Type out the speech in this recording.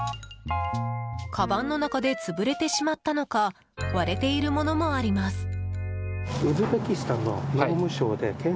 かばんの中で潰れてしまったのか割れているものもあります。